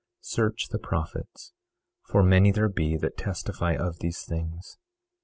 Search the prophets, for many there be that testify of these things.